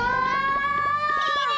きれい！